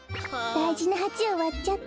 だいじなハチをわっちゃって。